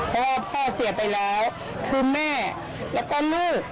เพราะว่าพ่อเสียไปแล้วคือแม่แล้วก็ลูก